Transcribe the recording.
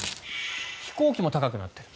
飛行機も高くなっている。